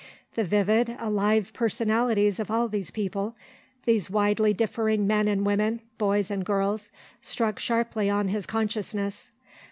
The vivid, alive personalities of all these people, these widely differing men and women, boys and girls, struck sharply on his consciousness.